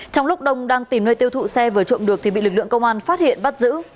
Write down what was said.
trong lúc đông đang tìm nơi tiêu thụ xe vừa trộm được thì bị lực lượng công an phát hiện bắt giữ